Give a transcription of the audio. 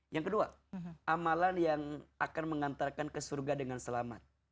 yang kedua amalan yang akan mengantarkan ke surga dengan selamat